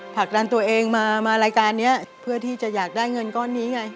ผลักดันตัวเองมารายการนี้เพื่อที่จะอยากได้เงินก้อนนี้ไง